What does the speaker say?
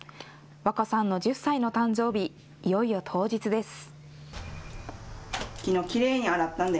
和恋さんの１０歳の誕生日、いよいよ当日です。